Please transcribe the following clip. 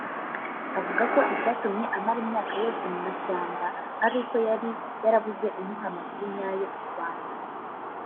Avuga ko icyatumye amara imyaka yose mu mashyamba ari uko yari yarabuze umuha amakuru nyayo ku Rwanda